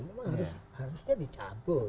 memang harusnya dicabut